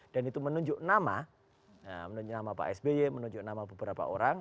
dan itu menunjuk nama pak sby menunjuk nama beberapa orang